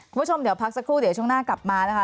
คุณผู้ชมเดี๋ยวพักสักครู่เดี๋ยวช่วงหน้ากลับมานะคะ